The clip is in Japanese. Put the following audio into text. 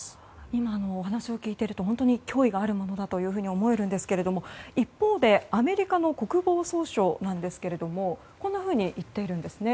今、お話を聞いていると本当に脅威があるものだというふうに思えると思うんですけれども一方でアメリカの国防総省なんですけれどこんなふうに言っています。